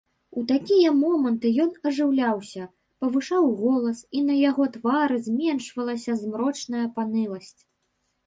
У такія моманты ён ажыўляўся, павышаў голас, і на яго твары зменшвалася змрочная паныласць.